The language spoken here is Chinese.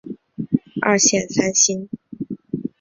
二线三星。